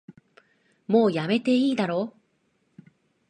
もうやめていいだろ